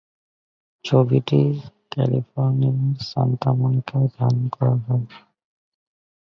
ছবিটি ক্যালিফোর্নিয়ার সান্তা মনিকায় ধারণ করা হয়।